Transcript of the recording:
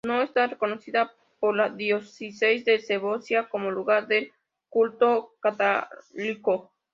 No está reconocida por la Diócesis de Segovia como lugar de culto católico.